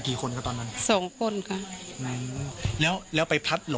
ปกติพี่สาวเราเนี่ยครับเป็นคนเชี่ยวชาญในเส้นทางป่าทางนี้อยู่แล้วหรือเปล่าครับ